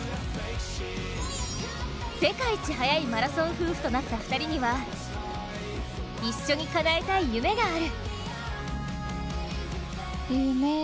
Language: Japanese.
世界一速いマラソン夫婦となった２人には一緒にかなえたい夢がある。